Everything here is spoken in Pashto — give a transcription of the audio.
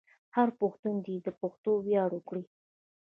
هر پښتون دې د پښتو ویاړ وکړي.